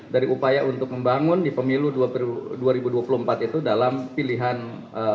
dari upaya untuk membangun di pemilu dua ribu dua puluh empat itu dalam pilihan politik